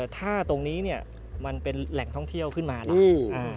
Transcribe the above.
ถ้าตรงนี้เนี่ยมันเป็นแหล่งท่องเที่ยวขึ้นมาแล้ว